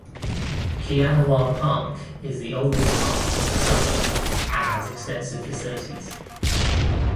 Kianawah Park is the oldest park in the suburb and has extensive facilities.